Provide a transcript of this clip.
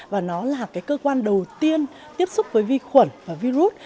và nó là cái cơ quan đầu tiên tiếp xúc với vi khuẩn và virus